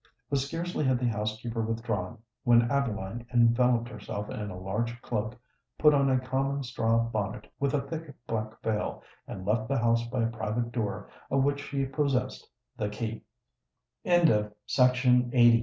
But scarcely had the housekeeper withdrawn, when Adeline enveloped herself in a large cloak, put on a common straw bonnet with a thick black veil, and left the house by a private door of which she possessed the key. CHAPTER CCXVII.